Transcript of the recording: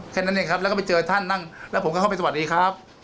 แค่นั้นเองครับแล้วก็ไปเจอท่านนั่งแล้วผมก็เข้าไปสวัสดีครับ